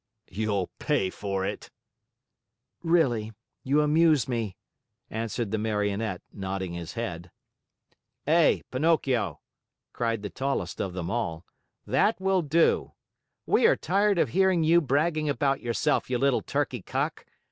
"You'll pay for it!" "Really, you amuse me," answered the Marionette, nodding his head. "Hey, Pinocchio," cried the tallest of them all, "that will do. We are tired of hearing you bragging about yourself, you little turkey cock!